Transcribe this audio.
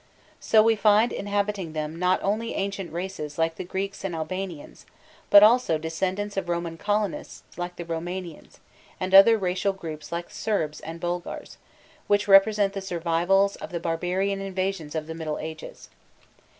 So we find inhabiting them not only ancient races like the Greeks and Albanians, but also descendants of Roman colonists like the Roumanians, and other racial groups like the Serbs and Bulgars, which represent the survivals of the barbarian invasions of the Middle Ages.